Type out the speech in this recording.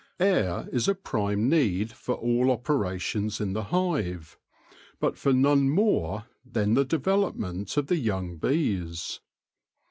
Air is a prime need for all operations in the hive, but for none more than the development of the young bees.